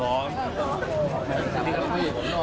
ขอบคุณครับ